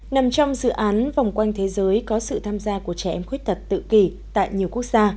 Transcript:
nằm trong dự án vòng quanh thế giới có sự tham gia của trẻ em khuyết tật tự kỷ tại nhiều quốc gia